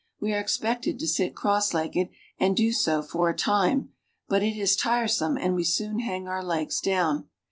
We are expected to sit cross legged, and do so for a time, but it is tiresome and we soon hang our legs down.